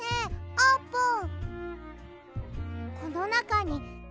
あーぷん？